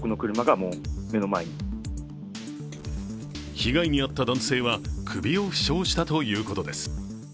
被害に遭った男性は首を負傷したということです。